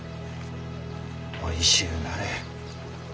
おいしゅうなれ。